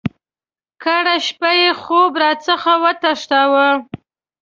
کرۍ شپه یې خوب را څخه وتښتاوه.